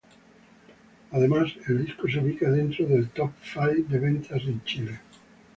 Además, el disco se ubica dentro del "Top Five" de ventas en Chile.